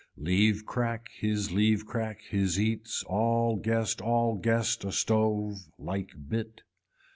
Leave crack his leave crack his eats, all guest all guest a stove. Like bit.